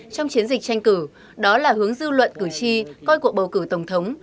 trong chiến dịch tranh cử đó là hướng dư luận cử tri coi cuộc bầu cử tổng thống